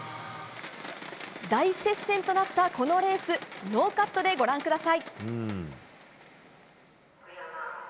大接戦となった、このレースノーカットでご覧ください。